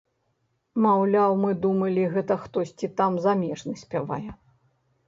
Маўляў, мы думалі, гэта хтосьці там замежны спявае.